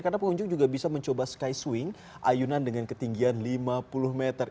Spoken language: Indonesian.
karena pengunjung juga bisa mencoba sky swing ayunan dengan ketinggian lima puluh meter